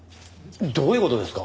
どういう事ですか？